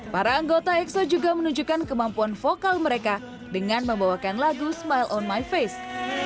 para anggota exo juga menunjukkan kemampuan vokal mereka dengan membawakan lagu smile on my face